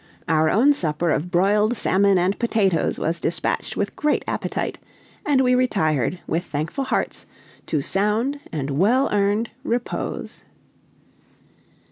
Our own supper of broiled salmon and potatoes was dispatched with great appetite, and we retired, with thankful hearts, to sound and well earned repose.